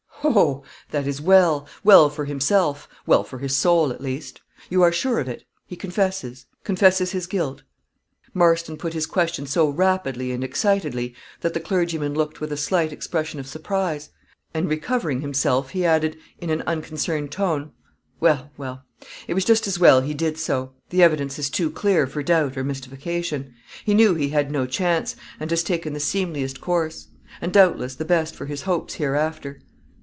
"Ho! that is well well for himself well for his soul, at least; you are sure of it; he confesses; confesses his guilt?" Marston put his question so rapidly and excitedly, that the clergyman looked with a slight expression of surprise; and recovering himself, he added, in an unconcerned tone "Well, well it was just as well he did so; the evidence is too clear for doubt or mystification; he knew he had no chance, and has taken the seemliest course; and, doubtless, the best for his hopes hereafter."